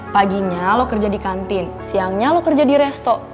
paginya lo kerja di kantin siangnya lo kerja di resto